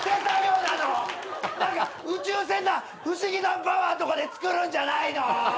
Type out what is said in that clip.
何か宇宙船の不思議なパワーとかで作るんじゃないの？